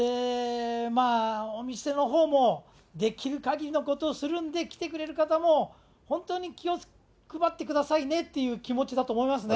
お店のほうもできるかぎりのことをするんで、来てくれる方も、本当に気を配ってくださいねという気持ちだと思いますね。